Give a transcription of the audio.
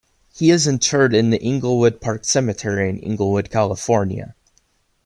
He is interred in the Inglewood Park Cemetery in Inglewood, California.